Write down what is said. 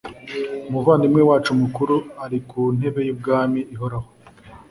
umuvandimwe wacu mukuru ari ku ntebe y’ubwami ihoraho